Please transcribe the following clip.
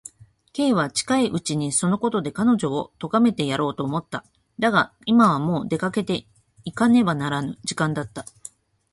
Ｋ は近いうちにそのことで彼女をとがめてやろうと思った。だが、今はもう出かけていかねばならぬ時間だった。